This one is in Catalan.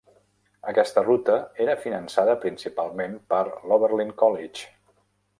Aquesta ruta era finançada principalment per l'Oberlin College.